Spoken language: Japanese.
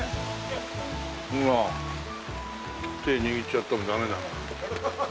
手握っちゃってもダメだ。